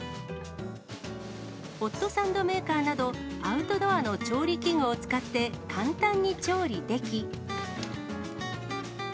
ホットサンドメーカーなど、アウトドアの調理器具を使って、簡単に調理でき。